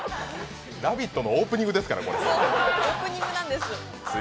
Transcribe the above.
「ラヴィット！」のオープニングですから。